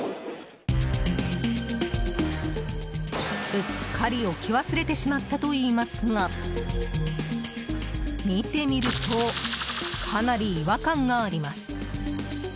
うっかり置き忘れてしまったと言いますが見てみるとかなり違和感があります。